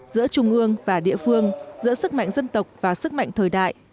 giữa trung ương và địa phương giữa sức mạnh dân tộc và sức mạnh thời đại